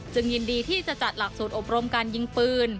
ยินดีที่จะจัดหลักสูตรอบรมการยิงปืน